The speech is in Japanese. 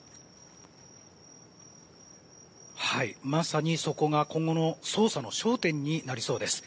まさにそこが今後の捜査の焦点になりそうです。